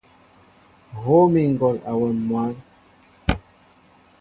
Hów mi ŋgɔl awɛm mwǎn.